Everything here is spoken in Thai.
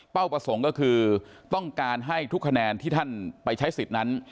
ประสงค์ก็คือต้องการให้ทุกคะแนนที่ท่านไปใช้สิทธิ์นั้น